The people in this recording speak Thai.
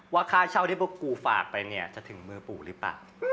ว่าค่าเช่าที่พวกกูฝากไปเนี่ยจะถึงมือปู่หรือเปล่า